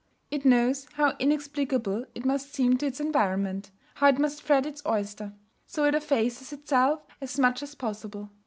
It knows how inexplicable it must seem to its environment, how it must fret its oyster; so it effaces itself as much as possible.